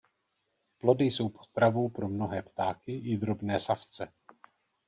Plody jsou potravou pro mnohé ptáky i drobné savce.